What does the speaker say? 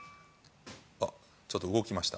あっ、ちょっと動きました。